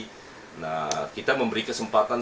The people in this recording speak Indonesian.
jadi kita memberi kesempatan